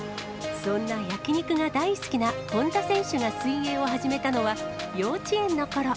そんな焼き肉が大好きな本多選手が水泳を始めたのは、幼稚園のころ。